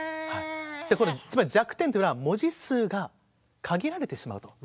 つまり弱点というのは文字数が限られてしまうと。